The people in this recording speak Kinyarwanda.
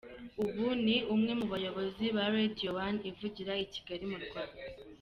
Ubu ni umwe mu bayobozi ba Radio One, ivugira i Kigali mu Rwanda.